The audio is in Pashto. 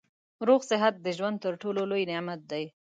روغ صحت د ژوند تر ټولو لوی نعمت دی